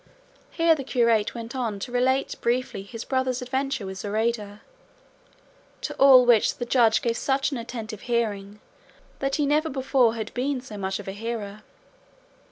Here the curate went on to relate briefly his brother's adventure with Zoraida; to all which the Judge gave such an attentive hearing that he never before had been so much of a hearer.